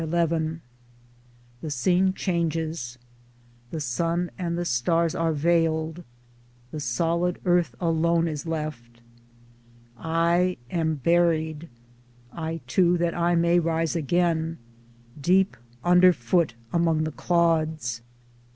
Towards Democracy 17 XI THE scene changes ; the sun and the stars are veiled, the solid earth alone" is left. I am buried (I too that I may rise again) deep underfoot among the clods.